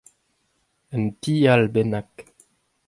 Un ti all bennak.